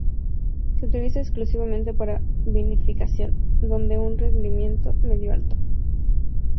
Se utiliza exclusivamente para vinificación, dando un rendimiento medio-alto.